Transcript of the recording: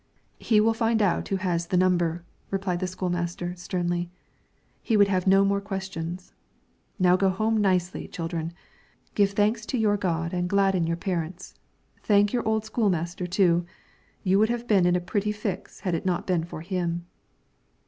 "He will find that out who has the number," replied the school master, sternly. He would have no more questions. "Now go home nicely, children. Give thanks to your God and gladden your parents. Thank your old school master too; you would have been in a pretty fix if it had not been for him."